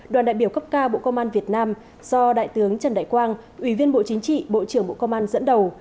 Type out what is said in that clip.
đoàn đại biểu cấp cao bộ công an việt nam do đại tướng trần đại quang ủy viên bộ chính trị bộ trưởng bộ công an dẫn đầu